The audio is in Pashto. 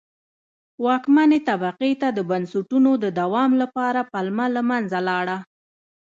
واکمنې طبقې ته د بنسټونو د دوام لپاره پلمه له منځه لاړه.